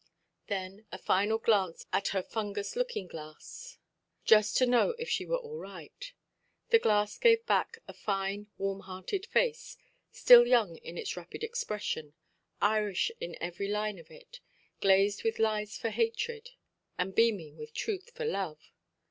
Then a final glance at her fungous looking–glass, just to know if she were all right; the glass gave her back a fine, warm–hearted face, still young in its rapid expression, Irish in every line of it, glazed with lies for hatred, and beaming with truth for love.